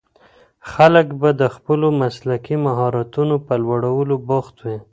خلګ به د خپلو مسلکي مهارتونو په لوړولو بوخت وي.